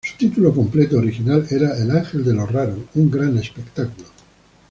Su título completo original era ""El ángel de lo raro: Un gran espectáculo"".